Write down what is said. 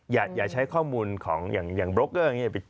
อย่าใช้ข้อมูลของอย่างโบรกเกอร์อย่างนี้